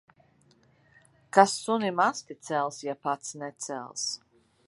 Kas sunim asti cels, ja pats necels.